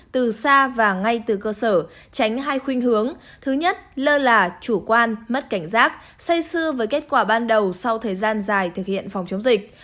từ xa và ngay từ cơ sở tránh hai khuyên hướng thứ nhất lơ là chủ quan mất cảnh giác say sư với kết quả ban đầu sau thời gian dài thực hiện phòng chống dịch